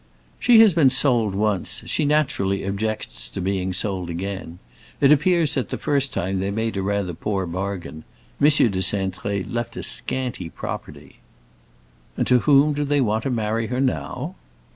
"She has been sold once; she naturally objects to being sold again. It appears that the first time they made rather a poor bargain; M. de Cintré left a scanty property." "And to whom do they want to marry her now?"